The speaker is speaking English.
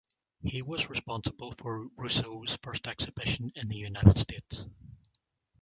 He was responsible for Rousseau's first exhibition in the United States.